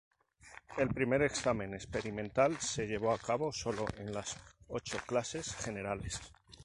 El primer examen experimental se llevó a cabo sólo en las ocho clases generales.